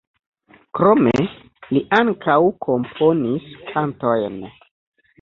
Krome li ankaŭ komponis kantojn.